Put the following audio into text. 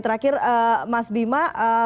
terakhir mas bima